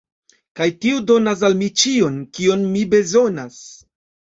kaj tio donas al mi ĉion, kion mi bezonas